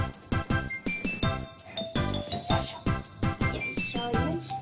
よいしょよいしょ。